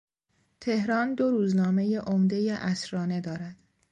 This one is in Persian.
تهران دو روزنامهی عمدهی عصرانه دارد.